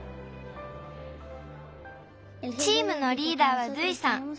チームのリーダーはドゥイさん。